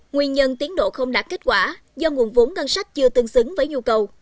nguyên nhân tiến độ không đạt kết quả do nguồn vốn ngân sách chưa tương xứng với nhu cầu